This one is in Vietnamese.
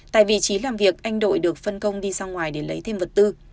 tại vị trí làm việc anh đội được phân công đi ra ngoài để lấy thêm vật tư